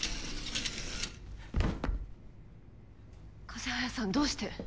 風早さんどうして。